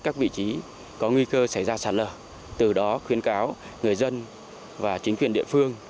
các vị trí có nguy cơ xảy ra sạt lở từ đó khuyến cáo người dân và chính quyền địa phương